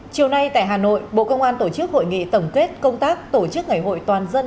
chiều nay tại hà nội bộ công an tổ chức hội nghị tổng kết công tác tổ chức ngày hội toàn dân